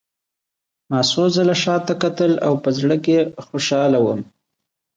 ما څو ځله شا ته کتل او په زړه کې خوشحاله وم